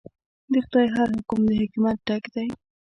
د خدای هر حکم د حکمت ډک دی.